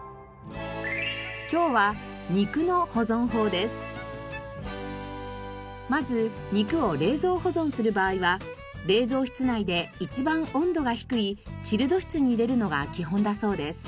今日はまず肉を冷蔵保存する場合は冷蔵室内で一番温度が低いチルド室に入れるのが基本だそうです。